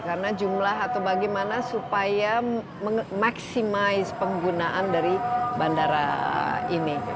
karena jumlah atau bagaimana supaya mengaksimalkan penggunaan dari bandara ini